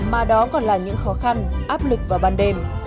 mà đó còn là những khó khăn áp lực vào ban đêm